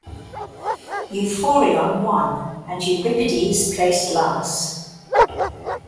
Euphorion won, and Euripides placed last.